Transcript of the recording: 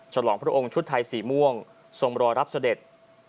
ฉลองพระองค์ชุดไทยสีม่วงทรงรอรับเสด็จ